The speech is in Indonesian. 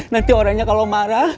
nanti orangnya kalau marah